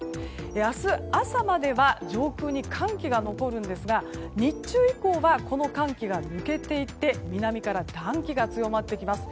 明日朝までは上空に寒気が残るんですが日中以降はこの寒気が抜けていって南から暖気が強まってきます。